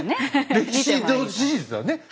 歴史の史実だね。